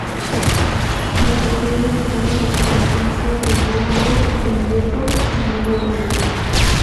Y especialmente tuvo la presencia de Leonor Benedetto y Diego Olivera.